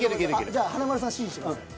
じゃあ華丸さん指示してください。